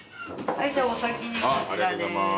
じゃあお先にこちらです。